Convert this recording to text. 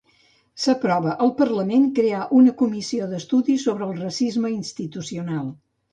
S'aprova al Parlament crear una comissió d'estudi sobre el racisme institucional.